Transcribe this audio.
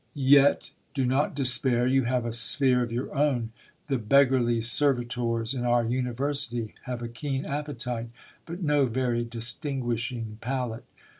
Yet do not despair, you have a sphere of your own, the beggarly servitors in our university have a keen appetite, but no very distinguishing palate."